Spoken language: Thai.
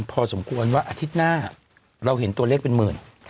พอสมควรว่าอาทิตย์หน้าเราเห็นตัวเลขเป็นหมื่น